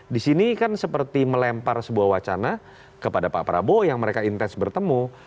di sini kan seperti melempar sebuah wacana kepada pak prabowo yang mereka intens bertemu